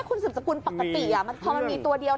คุณศึกษากุลปกติพอมีตัวเดียว